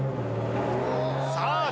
さあ